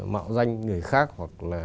mạo danh người khác hoặc là